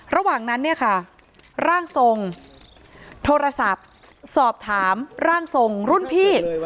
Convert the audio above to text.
ระหว่างนั้นเนี่ยค่ะร่างทรงโทรศัพท์สอบถามร่างทรงรุ่นพี่